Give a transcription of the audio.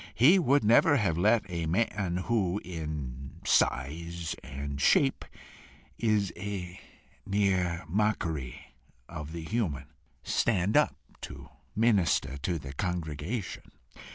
He would never have let a man who in size and shape is a mere mockery of the human, stand up to minister to the congregation.